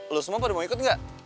lo semua baru mau ikut gak